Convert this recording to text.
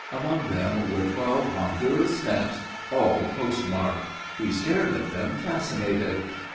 Among them were twelve Honduras stamps all postmarked. He stared at them, fascinated.